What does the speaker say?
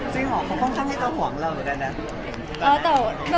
จริงเหรอเขาค่อนข้างให้เจ้าหวังเราเหมือนกันนะ